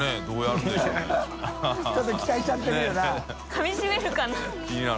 かみしめるかな？